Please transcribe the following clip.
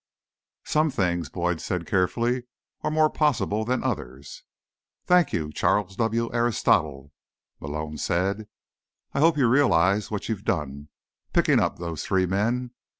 "Some things," Boyd said carefully, "are more possible than others." "Thank you, Charles W. Aristotle," Malone said. "I hope you realize what you've done, picking up those three men.